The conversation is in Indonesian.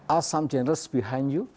ada jenis para jenis di belakang anda ya